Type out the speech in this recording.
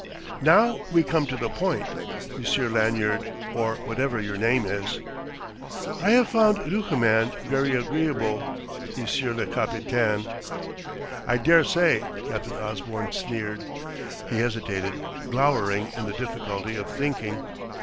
"Now we come to the point. Monsieur Lanyard, or whatever your name is." "I have found Duchemin very agreeable, monsieur le capitaine." "I daresay," Captain Osborne sneered. He hesitated, glowering in the difficulty of thinking.